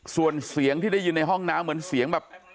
ส่วนเสียงที่ได้ยินในห้องน้ำเหมือนเสียงแบบ